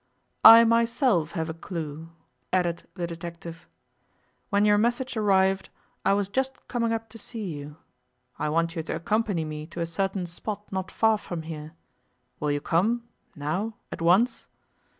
'I myself have a clue,' added the detective. 'When your message arrived I was just coming up to see you. I want you to accompany me to a certain spot not far from here. Will you come, now, at once?